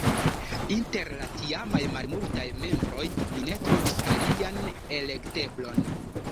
Inter la tiamaj malmultaj membroj mi ne trovis alian elekteblon.